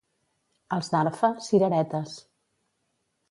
Els d'Arfa, cireretes.